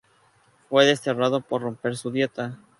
Fue desterrado por romper su dieta.